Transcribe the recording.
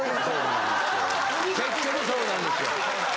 結局そうなんですよ。